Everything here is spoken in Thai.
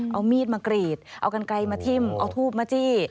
เอามีดมากรีดเอากันไกลมาทิ้มเอาทูบมาจี้